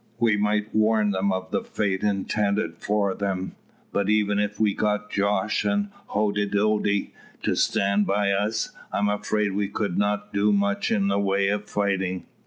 We might warn them of the fate intended for them; but even if we got Jos and Hoddidoddi to stand by us, I am afraid we could not do much in the way of fighting."